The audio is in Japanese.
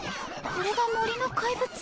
これが森の怪物？